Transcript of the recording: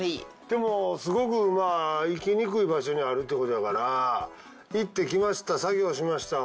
でもすごく行きにくい場所にあるってことやから行ってきました作業しました。